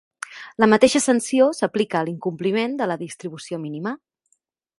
La mateixa sanció s'aplica a l'incompliment de la distribució mínima.